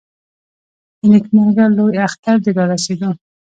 د نېکمرغه لوی اختر د رارسېدو .